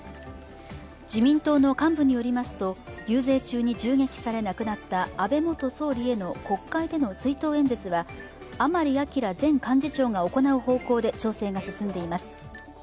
自民党の幹部によりますと、遊説中に銃撃され亡くなった安倍元総理への、国会での追悼演説は、甘利明前幹事長が行う方向で調整が進んでいます。